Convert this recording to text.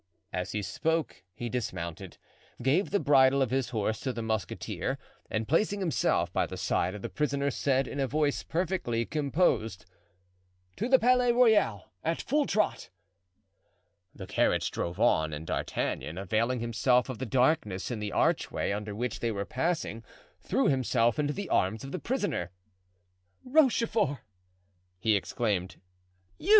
As he spoke he dismounted, gave the bridle of his horse to the musketeer and placing himself by the side of the prisoner said, in a voice perfectly composed, "To the Palais Royal, at full trot." The carriage drove on and D'Artagnan, availing himself of the darkness in the archway under which they were passing, threw himself into the arms of the prisoner. "Rochefort!" he exclaimed; "you!